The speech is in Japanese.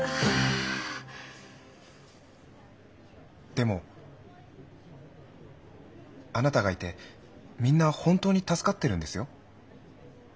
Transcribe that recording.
でもあなたがいてみんな本当に助かってるんですよ。